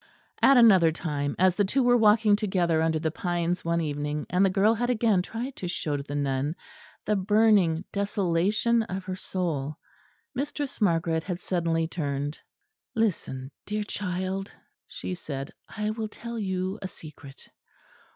At another time as the two were walking together under the pines one evening, and the girl had again tried to show to the nun the burning desolation of her soul, Mistress Margaret had suddenly turned. "Listen, dear child," she said, "I will tell you a secret.